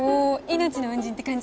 命の恩人って感じ？